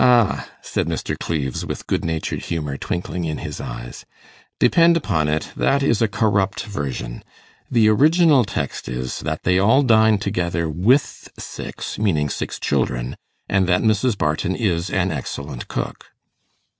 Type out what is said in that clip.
'Ah,' said Mr. Cleves, with good natured humour twinkling in his eyes, 'depend upon it, that is a corrupt version. The original text is, that they all dined together with six meaning six children and that Mrs. Barton is an excellent cook.